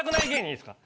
いいですか？